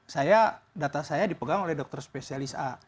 saya data saya dipegang oleh dokter spesialis a